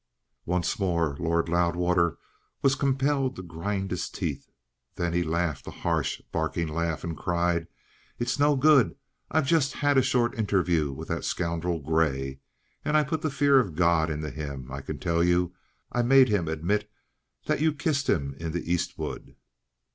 Once more Lord Loudwater was compelled to grind his teeth. Then he laughed a harsh, barking laugh, and cried: "It's no good! I've just had a short interview with that scoundrel Grey. And I put the fear of God into him, I can tell you. I made him admit that you'd kissed him in the East wood."